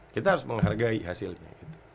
kita harus menghargai hasilnya